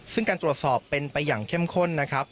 ซึ่งการตรวจสอบเป็นไปอย่างเข้มข้นนะครับ